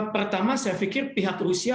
pertama saya pikir pihak rusia